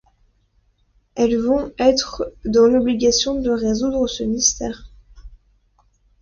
Elles vont êtres dans l'obligation de résoudre ce mystère.